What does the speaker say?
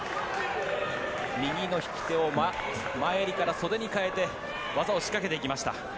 右の引き手を前襟から袖に変えて技を仕掛けていきました。